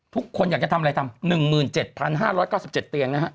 ทุกคนอยากจะทำอะไรทำหนึ่งหมื่นเจ็ดพันห้าร้อยเก้าสิบเจ็ดเตียงนะฮะ